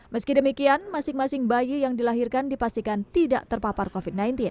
meski demikian masing masing bayi yang dilahirkan dipastikan tidak terpapar covid sembilan belas